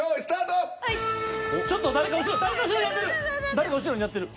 誰か後ろにやってる。